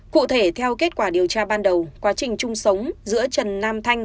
cụ thể theo kết quả điều tra ban đầu quá trình chung sống giữa trần nam thanh